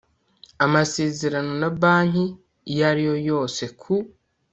amasezerano na banki iyo ari yo yose ku